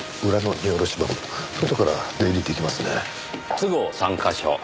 都合３カ所。